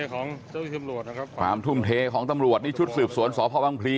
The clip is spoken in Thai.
ของตำรวจนะครับการทุ่มเทนี่ราการชุดหลืบสวนศพพระว่างภีร์